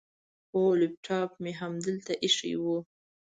هو، لیپټاپ مې هلته ایښی و.